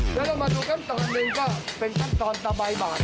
เราจะมาดูขั้นตอนนี้ก็เป็นขั้นตอนตะไบบาท